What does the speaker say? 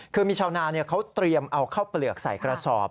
คือมีชาวนาเขาเตรียมเอาข้าวเปลือกใส่กระสอบ